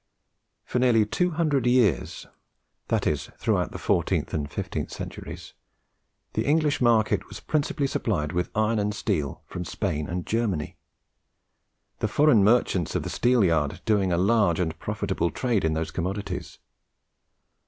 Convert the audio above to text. For nearly two hundred years that is, throughout the fourteenth and fifteenth centuries the English market was principally supplied with iron and steel from Spain and Germany; the foreign merchants of the Steelyard doing a large and profitable trade in those commodities.